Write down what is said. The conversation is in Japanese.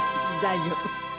大丈夫。